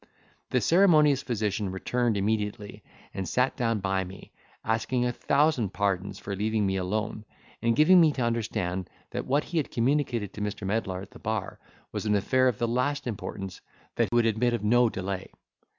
The ceremonious physician returned immediately and sat down by me, asking a thousand pardons for leaving me alone: and giving me to understand that what he had communicated to Mr. Medlar at the bar, was an affair of the last importance, that would admit of no delay.